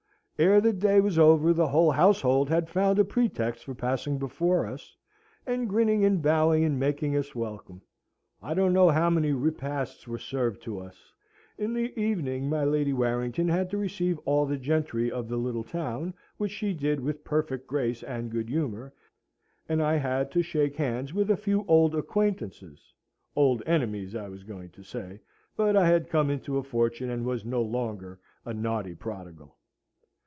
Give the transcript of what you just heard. Ere the day was over the whole household had found a pretext for passing before us, and grinning and bowing and making us welcome. I don't know how many repasts were served to us. In the evening my Lady Warrington had to receive all the gentry of the little town, which she did with perfect grace and good humour, and I had to shake hands with a few old acquaintances old enemies I was going to say; but I had come into a fortune and was no longer a naughty prodigal.